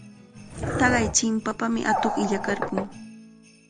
Taqay chimpapami atuq illakarqun.